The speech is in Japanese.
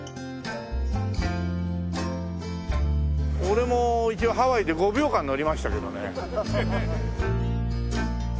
俺も一応ハワイで５秒間乗りましたけどね。